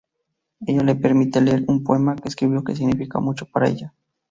Ella le permite leer un poema que escribió que significa mucho para ella.